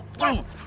lo buat apa